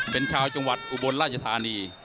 เป็นชาวจังหวัดอุบลราชธานี